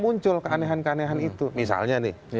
muncul keanehan keanehan itu misalnya nih